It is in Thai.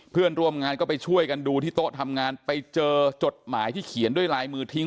เพื่อนร่วมงานก็ไปช่วยกันดูที่โต๊ะทำงานไปเจอจดหมายที่เขียนด้วยลายมือทิ้ง